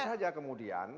jadi tentu saja kemudian